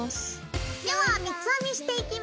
では三つ編みしていきます。